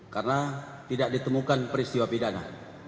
karena tidak ditemukan peristiwa pidana